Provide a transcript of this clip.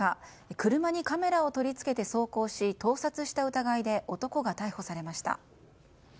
車にカメラを取り付けて走行し盗撮した疑いで男が逮捕されました。